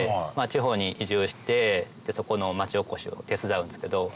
地方に移住してそこの町おこしを手伝うんですけど。